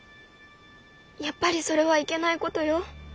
やっぱりそれはいけないことよ。